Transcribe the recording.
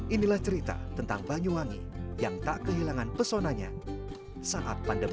inilah cerita tentang banyuwangi yang tak kehilangan pesonanya saat pandemi